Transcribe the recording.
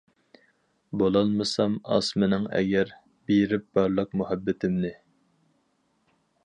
بولالمىسام ئاسمىنىڭ ئەگەر، بېرىپ بارلىق مۇھەببىتىمنى.